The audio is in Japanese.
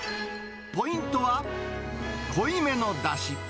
ポイントは、濃いめのだし。